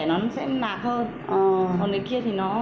nó sẽ nạc hơn